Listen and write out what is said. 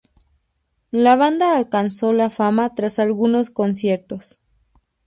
La banda alcanzó la fama tras algunos conciertos.